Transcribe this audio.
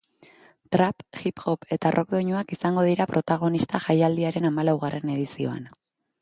Trap, hip-hop eta rock doinuak izango dira protagonista jaialdiaren hamalaugarren edizioan.